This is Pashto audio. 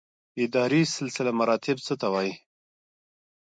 اداري سلسله مراتب څه ته وایي؟